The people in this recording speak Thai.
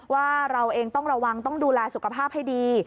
ว่าเราเองต้องระวังต้องดูแลสุขภาพให้ดี